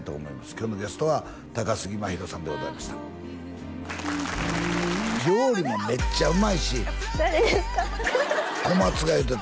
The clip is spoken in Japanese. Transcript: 今日のゲストは高杉真宙さんでございました料理もメッチャうまいし誰ですか？